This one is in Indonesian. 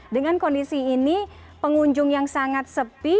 dengan kondisi ini pengunjung yang sangat sepi